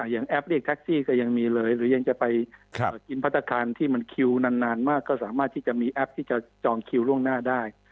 แอปเรียกแท็กซี่ก็ยังมีเลยหรือยังจะไปกินพัฒนาคารที่มันคิวนานมากก็สามารถที่จะมีแอปที่จะจองคิวล่วงหน้าได้